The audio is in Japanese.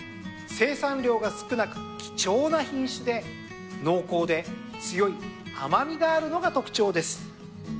生産量が少なく貴重な品種で濃厚で強い甘味があるのが特徴です。